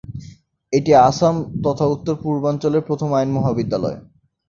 এইটি আসাম তথা উত্তর-পূর্বাঞ্চলের প্রথম আইন মহাবিদ্যালয়।